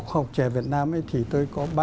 khoa học trẻ việt nam thì tôi có